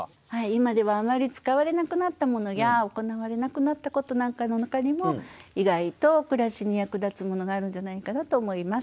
今ではあまり使われなくなったものや行われなくなったことなんかの中にも意外と暮らしに役立つものがあるんじゃないかなと思います。